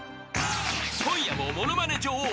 ［今夜も物まね女王